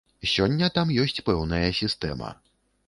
Сёння там ёсць пэўная сістэма.